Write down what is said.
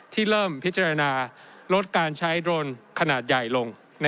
ที่เริ่มพิจารณาลดการใช้โดรนขนาดใหญ่ลง